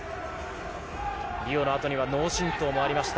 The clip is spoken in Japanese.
リオの後には脳震とうもありました。